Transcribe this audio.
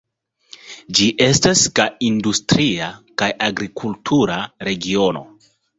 Ĝi estas kaj industria kaj agrikultura regiono.